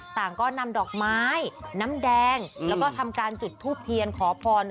ต่างก็นำดอกไม้น้ำแดงแล้วก็ทำการจุดทูบเทียนขอพร